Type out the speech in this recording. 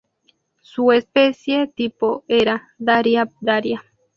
Su especie tipo era "Daria daria".